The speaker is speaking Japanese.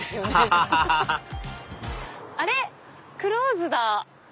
アハハハハあれ⁉クローズだ。